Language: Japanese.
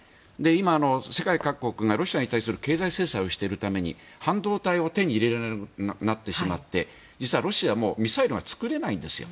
今、世界各国がロシアに対する経済制裁をしているために半導体を手に入れられなくなってしまって実はロシアもミサイルが作れないんですよ。